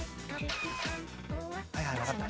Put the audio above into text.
はいはい分かった。